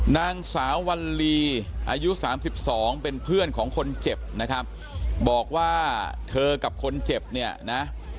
นางสาววัลลีอายุสามสิบสองเป็นเพื่อนของคนเจ็บนะครับบอกว่าเธอกับคนเจ็บเนี่ยนะ